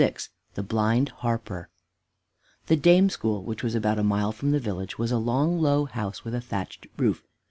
VI THE BLIND HARPER The dame school, which was about a mile from the village, was a long, low house with a thatched roof.